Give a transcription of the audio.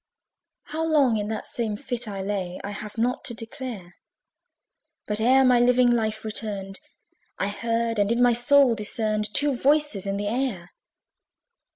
How long in that same fit I lay, I have not to declare; But ere my living life returned, I heard and in my soul discerned Two VOICES in the air.